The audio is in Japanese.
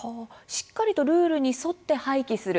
しっかりとルールに沿って廃棄する。